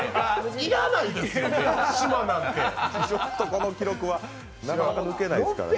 要らないですよね、島なんてちょっとこの記録はなかなか抜けないですからね。